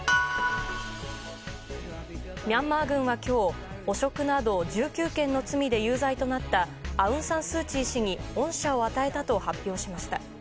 ミャンマー軍は今日、汚職など１９件の罪で有罪となったアウン・サン・スー・チー氏に恩赦を与えたと発表しました。